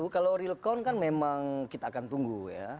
kalau real count kan memang kita akan tunggu ya